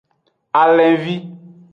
Alenvi.